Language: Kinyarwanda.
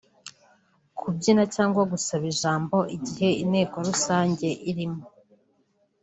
kubyina cyangwa gusaba ijambo igihe Inteko rusange irimo